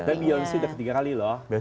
tapi beyonce udah ketiga kali loh